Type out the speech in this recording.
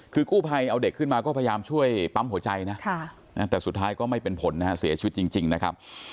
คือกู้ภัยเอาเด็กขึ้นมาก็พยายามช่วยปั๊มหัวใจนะแต่สุดท้ายก็ไม่เป็นผลนะฮะเสียชีวิตจริงนะครับ